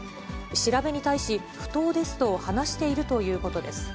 調べに対し、不当ですと話しているということです。